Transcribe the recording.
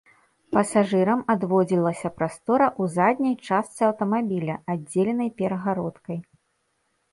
Пасажырам адводзілася прастора ў задняй часткі аўтамабіля, аддзеленае перагародкай.